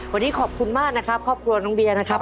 วันนี้ขอบคุณมากนะครับครอบครัวน้องเบียร์นะครับ